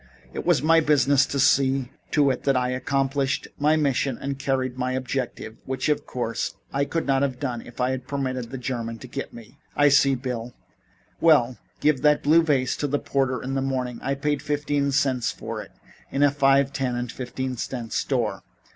It was my business to see to it that I accomplished my mission and carried my objective, which, of course, I could not have done if I had permitted the German to get me." "I see, Bill. Well, give that blue vase to the porter in the morning. I paid fifteen cents for it in a five, ten and fifteen cent store.